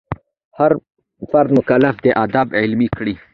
هر فرد مکلف دی آداب عملي کړي.